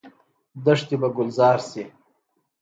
دښتې به ګلزار شي.